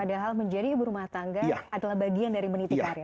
padahal menjadi ibu rumah tangga